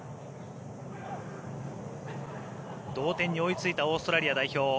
同点に追いついたオーストラリア代表。